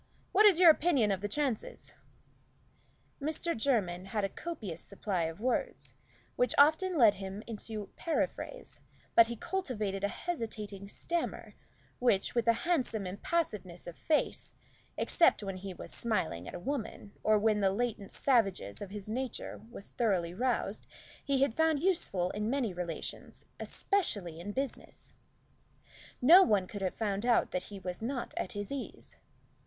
What is your opinion of the chances?" Mr. Jermyn had a copious supply of words which often led him into periphrase, but he cultivated a hesitating stammer, which, with a handsome impassiveness of face, except when he was smiling at a woman, or when the latent savageness of his nature was thoroughly roused, he had found useful in many relations, especially in business. No one could have found out that he was not at his ease.